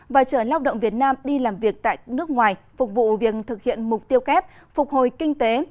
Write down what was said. và chở lao động việt nam đi làm việc tại nước ngoài phục vụ việc thực hiện mục tiêu kép phục hồi kinh tế